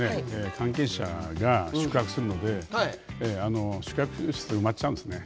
関係者が宿泊するので宿泊施設が埋まっちゃうんですね。